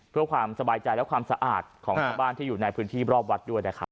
เพื่อความสบายใจและความสะอาดของชาวบ้านที่อยู่ในพื้นที่รอบวัดด้วยนะครับ